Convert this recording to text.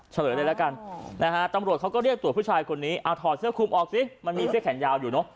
เฉลยเลยละกันนะฮะตำรวจเขาก็เรียกตัวผู้ชายคนนี้เอาถอดเสื้อคุมออกสิมันมีเสื้อแขนยาวอยู่เนอะ